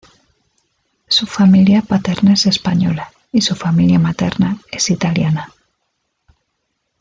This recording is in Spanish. Su familia paterna es española y su familia materna es italiana.